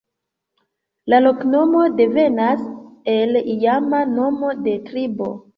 La loknomo devenas el iama nomo de tribo.